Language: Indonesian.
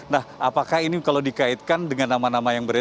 nah apakah ini kalau dikaitkan dengan nama nama yang ada di sana